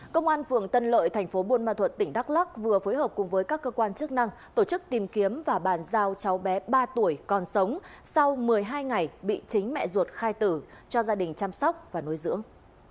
công an phường tân lợi thành phố buôn ma thuật tỉnh đắk lắc vừa phối hợp cùng với các cơ quan chức năng tổ chức tìm kiếm và bàn giao cháu bé ba tuổi còn sống sau một mươi hai ngày bị chính mẹ ruột khai tử cho gia đình chăm sóc và nuôi dưỡng